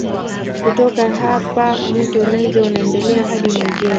Kutoka hapa mto Niger unaendelea hadi Nigeria.